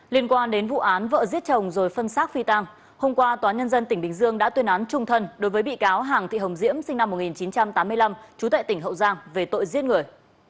liên quan đến vụ án vợ giết chồng rồi phân xác phi tăng hôm qua tòa nhân dân tỉnh bình dương đã tuyên án trung thân đối với bị cáo hàng thị hồng diễm sinh năm một nghìn chín trăm tám mươi năm trú tại tỉnh hậu giang về tội giết người